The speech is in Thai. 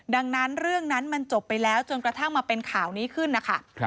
ดังนั้นเรื่องนั้นมันจบไปแล้วจนกระทั่งมาเป็นข่าวนี้ขึ้นนะคะ